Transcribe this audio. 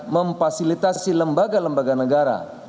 memfasilitasi lembaga lembaga negara